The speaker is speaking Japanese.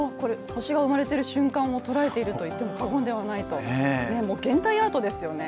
星が生まれている瞬間を捉えているといっても過言ではないと現代アートですよね。